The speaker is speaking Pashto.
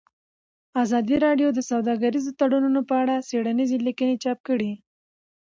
ازادي راډیو د سوداګریز تړونونه په اړه څېړنیزې لیکنې چاپ کړي.